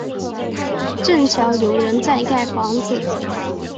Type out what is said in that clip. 正巧有人在盖房子